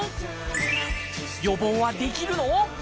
予防はできるの？